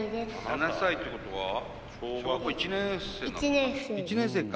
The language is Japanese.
７歳ってことは小学校１年生なのかな？